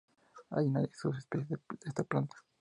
Hay una subespecie de esta planta.